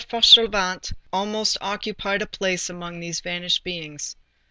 Fauchelevent almost occupied a place among these vanished beings.